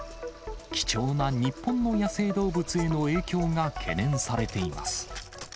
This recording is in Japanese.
貴重な日本の野生動物への影響が懸念されています。